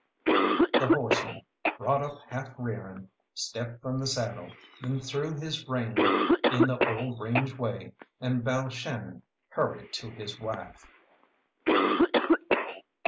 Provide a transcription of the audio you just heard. The horseman, brought up half rearing, stepped from the saddle, then threw his rein in the old range way, and Balshannon hurried to his wife.